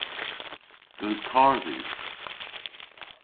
Eus karr dhywgh?